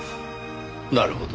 なるほど。